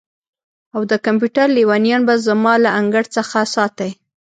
او د کمپیوټر لیونیان به زما له انګړ څخه ساتئ